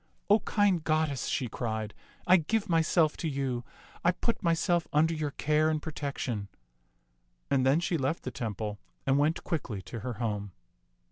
" O kind goddess," she cried, " I give myself to you. I put myself under your care and protection"; and then she left the temple and went quickly to her home.